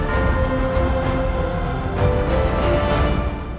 hẹn gặp lại